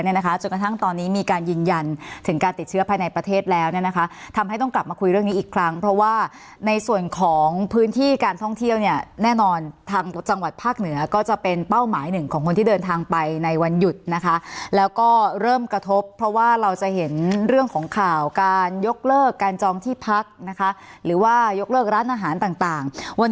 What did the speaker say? จนกระทั่งตอนนี้มีการยืนยันถึงการติดเชื้อภายในประเทศแล้วเนี่ยนะคะทำให้ต้องกลับมาคุยเรื่องนี้อีกครั้งเพราะว่าในส่วนของพื้นที่การท่องเที่ยวเนี่ยแน่นอนทางจังหวัดภาคเหนือก็จะเป็นเป้าหมายหนึ่งของคนที่เดินทางไปในวันหยุดนะคะแล้วก็เริ่มกระทบเพราะว่าเราจะเห็นเรื่องของข่าวการยกเลิกการจองที่พักนะคะหรือว่ายกเลิกร้านอาหารต่างต่างวัน